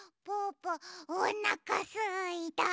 ぽおなかすいた！